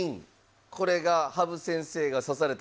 これが羽生先生が指された。